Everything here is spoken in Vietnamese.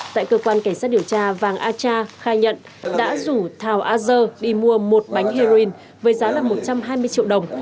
tại cơ quan cảnh sát điều tra vàng a cha khai nhận đã rủ thảo a dơ đi mua một bánh heroin với giá là một trăm hai mươi triệu đồng